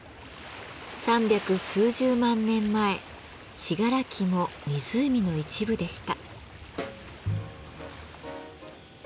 三百数十万年前信楽も湖の一部でした。